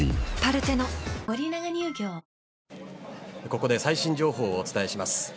ここで最新情報をお伝えします。